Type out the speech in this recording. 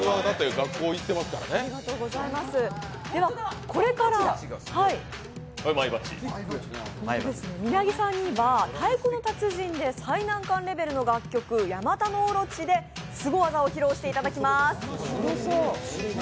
ではこれからみなぎさんには、「太鼓の達人」で最難関の楽曲「８ＯＲＯＣＨＩ」でスゴ技を披露していただきます。